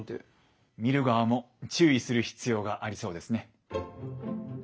見る側も注意する必要がありそうですね。